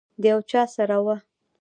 د یو چا سره وه.